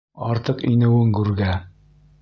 Артыҡ инеүең гүргә.